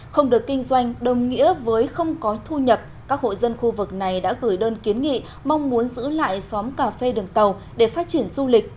không được kinh doanh đồng nghĩa với không có thu nhập các hộ dân khu vực này đã gửi đơn kiến nghị mong muốn giữ lại xóm cà phê đường tàu để phát triển du lịch